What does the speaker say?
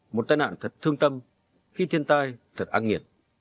một tai nạn thật thương tâm khi thiên tai thật ác nghiệt